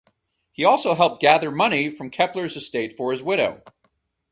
He also helped gather money from Kepler's estate for his widow.